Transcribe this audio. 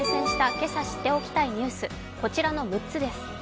今朝知っておきたいニュースこちらの６つです。